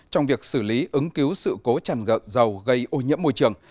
trong việc xử lý ứng cứu sự cố tràn gợn dầu gây ô nhiễm môi trường